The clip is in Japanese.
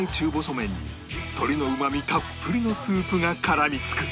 麺に鶏のうまみたっぷりのスープが絡みつく